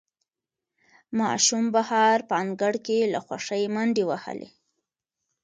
ماشوم بهر په انګړ کې له خوښۍ منډې وهلې